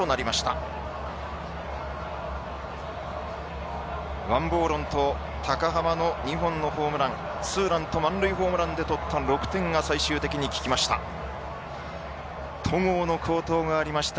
王柏融と高濱の２本のホームランツーランと満塁ホームランで取った６点が最終的に効きました。